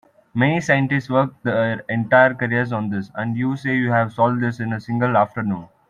Many scientists work their entire careers on this, and you say you have solved this in a single afternoon?